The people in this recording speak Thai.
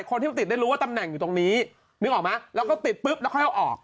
คนที่ติดได้รู้ว่าตำแหน่งอยู่ตรงนี้นึกออกไหมแล้วก็ติดปุ๊บแล้วค่อยเอาออก